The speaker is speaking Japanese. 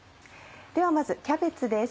ではまずキャベツです。